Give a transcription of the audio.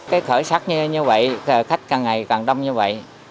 cái khởi sắc như vậy khách càng ngày càng đông như vậy